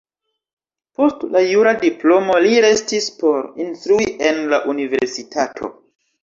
Post la jura diplomo li restis por instrui en la universitato.